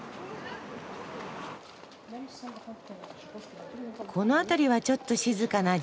この辺りはちょっと静かな住宅街。